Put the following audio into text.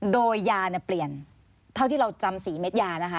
โดยยาเปลี่ยนเท่าที่เราจำ๔เม็ดยานะคะ